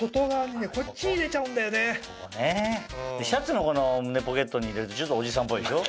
シャツのこの胸ポケットに入れるとちょっとおじさんっぽいでしょ？